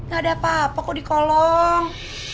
gak ada apa apa kok di kolong